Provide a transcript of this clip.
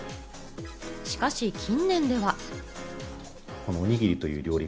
しかし、近年では。